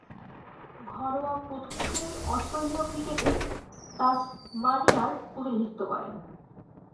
ঘরোয়া প্রথম-শ্রেণীর অস্ট্রেলীয় ক্রিকেটে তাসমানিয়ার প্রতিনিধিত্ব করেছেন।